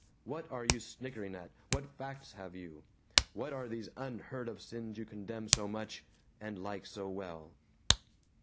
What are you snickering at? What facts have you? What are these unheard of sins you condemn so much and like so well?"